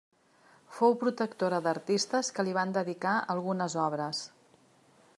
Fou protectora d'artistes que li van dedicar algunes obres.